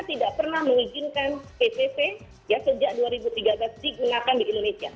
tidak pernah mengizinkan ptv yang sejak dua ribu tiga belas digunakan di indonesia